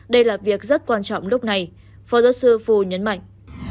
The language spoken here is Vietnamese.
đây là việc rất quan trọng lúc này phó giáo sư phù nhấn mạnh